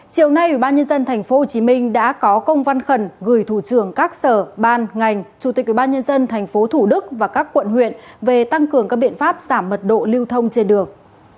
chiều nay ubnd tp hcm đã có công văn khẩn gửi thủ trưởng các sở ban ngành chủ tịch ubnd tp thủ đức và các quận huyện về tăng cường các biện pháp giảm mật độ lưu thông trên đường